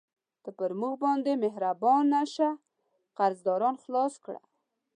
ته پر موږ باندې مهربانه شه، قرضداران خلاص کړه.